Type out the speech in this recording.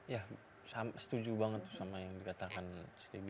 ya setuju banget sama yang dikatakan sidiq